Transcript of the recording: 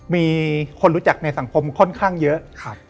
มีคนรู้จักในสังคมค่อนข้างเยอะ